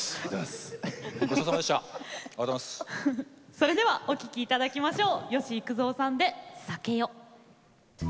それではお聴きいただきましょう。